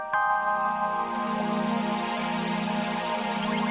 jogja imas datang